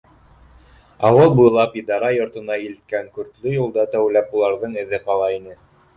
Ауыл буйлап идара йортона илткән көртлө юлда тәүләп уларҙың эҙе ҡала ине.